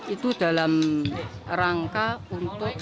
itu dalam rangka untuk